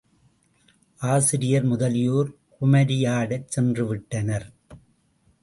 ஆசிரியர் முதலியோர் குமரியாடச் சென்றுவிட்டனர்.